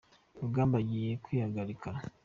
rugamba agiye kwihagarika.